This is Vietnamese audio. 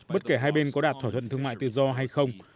bất kể hai bên có đạt thỏa thuận thương mại tự do hay không